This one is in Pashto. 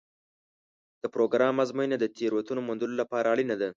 د پروګرام ازموینه د تېروتنو موندلو لپاره اړینه ده.